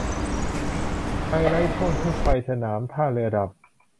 ไฮไลท์ช่วงที่ไฟสนามท่าเรือดับ